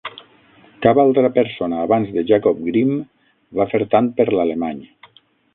Cap altra persona abans de Jakob Grimm va fer tant per l'alemany.